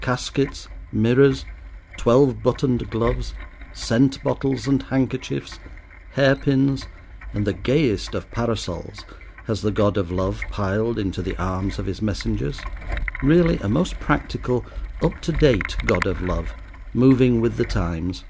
Caskets, mirrors, twelve buttoned gloves, scent bottles and handkerchiefs, hair pins, and the gayest of parasols, has the God of Love piled into the arms of his messengers. Really a most practical, up to date God of Love, moving with the times!